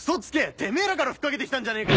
てめぇらからふっかけて来たんじゃねえか。